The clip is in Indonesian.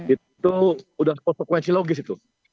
itu sudah konsekuensi logis itu